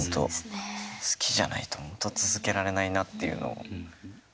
好きじゃないとほんと続けられないなっていうのを。